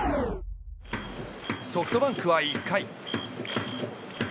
ソフトバンクは１回。